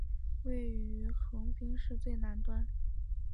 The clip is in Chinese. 位于横滨市最南端。